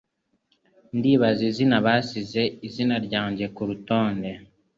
Ndibaza impamvu basize izina ryanjye kurutonde.